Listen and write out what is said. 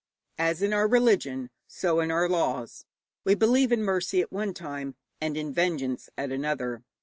As in our religion, so in our laws: we believe in mercy at one time and in vengeance at another.